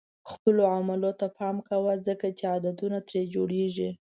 خپلو عملونو ته پام کوه ځکه چې عادتونه ترې جوړېږي.